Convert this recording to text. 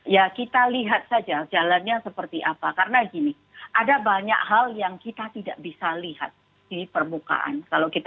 ya kita lihat saja jalannya seperti apa karena gini ada banyak hal yang kita tidak bisa lihat di permukaan